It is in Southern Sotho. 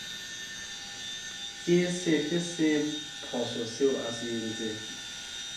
Ke sefe se phoso seo a se entseng?